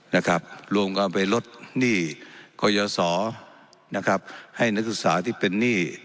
นะครับรวมกันไปลดหนี้กรยาศรนะครับให้นักศึกษาที่เป็นหนี้